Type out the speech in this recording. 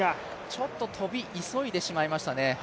ちょっと跳び急いでしまいましたね。